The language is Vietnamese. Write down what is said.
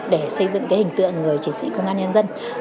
để xây dựng hình tượng người chiến sĩ công an nhân dân